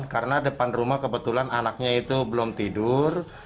karena depan rumah kebetulan anaknya itu belum tidur